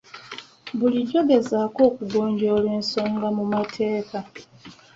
Bulijjo gezaako okugonjoola ensonga mu mateeka.